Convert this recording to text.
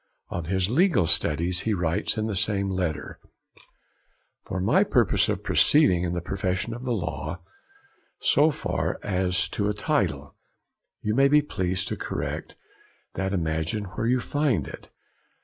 Of his legal studies he writes in the same letter: 'For my purpose of proceeding in the profession of the law, so far as to a title, you may be pleased to correct that imagination where you find it.